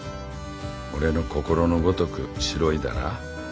俺の心のごとく白いだら？